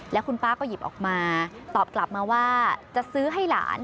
แล้วคุณป้าก็หยิบออกมาตอบกลับมาว่าจะซื้อให้หลาน